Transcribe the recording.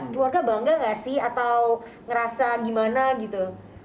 keluarga bangga gak sih atau ngerasa gimana gitu